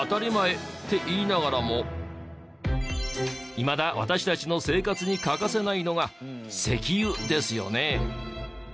いまだ私たちの生活に欠かせないのが石油ですよね。